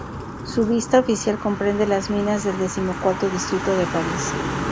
Su visita oficial comprende las minas del decimocuarto distrito de París.